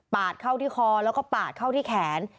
เข้าที่คอแล้วก็ปาดเข้าที่แขน